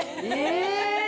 え！